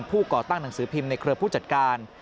ก่อตั้งหนังสือพิมพ์ในเครือผู้จัดการ